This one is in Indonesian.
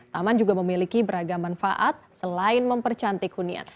taman juga memiliki beragam manfaat selain mempercantik hunian